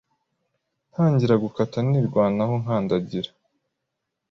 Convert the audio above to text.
ntangira gukata nirwanaho nkandagira